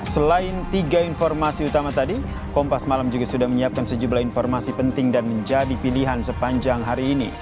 selain tiga informasi utama tadi kompas malam juga sudah menyiapkan sejumlah informasi penting dan menjadi pilihan sepanjang hari ini